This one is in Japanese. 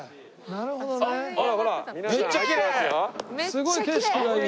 すごい景色がいい。